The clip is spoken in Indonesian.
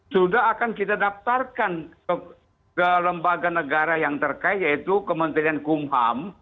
sudah akan kita daftarkan ke lembaga negara yang terkait yaitu kementerian kumham